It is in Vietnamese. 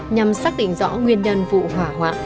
nhằm xác định rõ nguyên nhân vụ hỏa hoạ